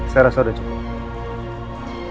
saya rasa udah cukup